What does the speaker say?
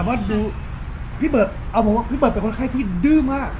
แต่ว่าดูพี่เบิร์ดเอาผมว่าพี่เบิร์ดเป็นคนไข้ที่ดื้อมาก